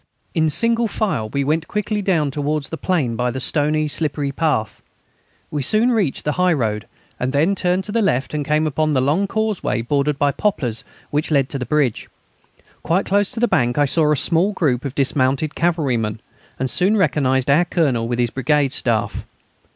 In single file we went quickly down towards the plain by the stony, slippery path. We soon reached the high road, and then turned to the left and came upon the long causeway bordered by poplars which led to the bridge. Quite close to the bank I saw a small group of dismounted cavalrymen, and soon recognised our Colonel with his Brigade Staff.